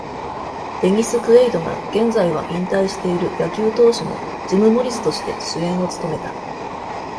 デニス・クエイドが、現在は引退している野球投手のジム・モリスとして主演を務めた。